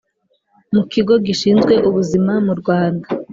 mu kigo gishinzwe ubuzima mu Rwanda